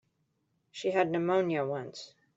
She had pneumonia once.